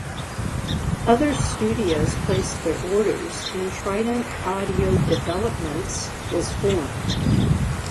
Other studios placed their orders and Trident Audio Developments was formed.